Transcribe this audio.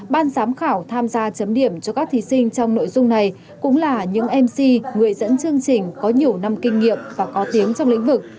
ban giám khảo tham gia chấm điểm cho các thí sinh trong nội dung này cũng là những mc người dẫn chương trình có nhiều năm kinh nghiệm và có tiếng trong lĩnh vực